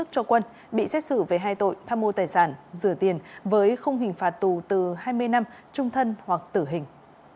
rửa tiền với không hình phạt tù từ hai mươi năm trung thân hoặc tử hình